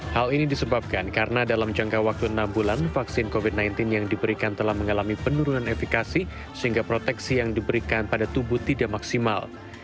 hal ini disebabkan karena dalam jangka waktu enam bulan vaksin covid sembilan belas yang diberikan telah mengalami penurunan efekasi sehingga proteksi yang diberikan pada tubuh tidak maksimal